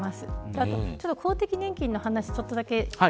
あと公的年金の話ちょっとだけ。